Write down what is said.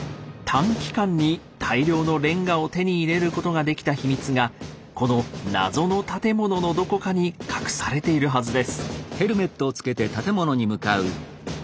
短期間に大量のレンガを手に入れることができた秘密がこの謎の建物のどこかに隠されているはずです。